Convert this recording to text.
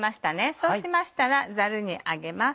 そうしましたらザルに上げます。